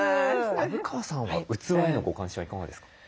虻川さんは器へのご関心はいかがですか？